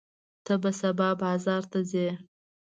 ته به سبا بازار ته ځې؟